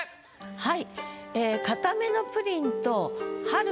はい。